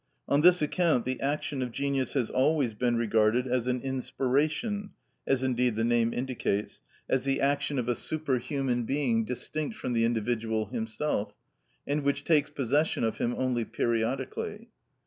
On this account the action of genius has always been regarded as an inspiration, as indeed the name indicates, as the action of a superhuman being distinct from the individual himself, and which takes possession of him only periodically.